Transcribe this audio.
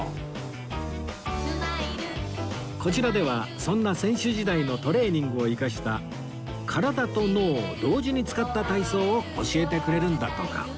こちらではそんな選手時代のトレーニングを生かした体と脳を同時に使った体操を教えてくれるんだとか